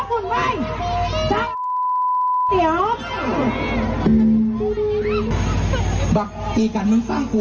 อืม